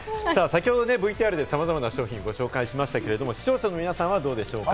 先ほどＶＴＲでさまざまな商品をご紹介しましたが、視聴者の皆さんはどうでしょうか？